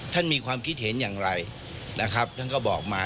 มีความคิดเห็นอย่างไรนะครับท่านก็บอกมา